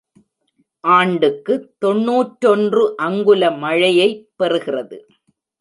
ஆண்டுக்கு தொன்னூற்றொன்று அங்குல மழையைப் பெறுகிறது.